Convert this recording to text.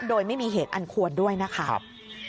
โดยไม่มีเหตุอันควรด้วยนะครับ